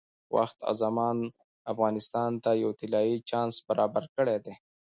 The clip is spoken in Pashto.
وخت او زمان افغانستان ته یو طلایي چانس برابر کړی دی.